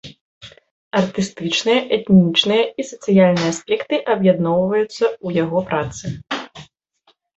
Артыстычныя, этнічныя і сацыяльныя аспекты аб'ядноўваюцца ў яго працы.